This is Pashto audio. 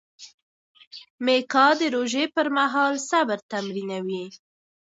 میکا د روژې پر مهال صبر تمرینوي.